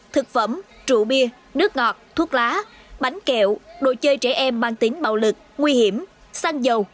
thực phẩm trụ bia nước ngọt thuốc lá bánh kẹo đồ chơi trẻ em mang tính bạo lực nguy hiểm xăng dầu